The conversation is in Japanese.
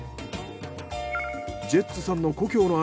ジェッツさんの故郷の味